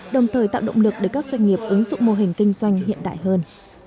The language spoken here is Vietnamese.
đồng thời tạo động lực để các doanh nghiệp ứng dụng mô hình kinh doanh hiện đại hơn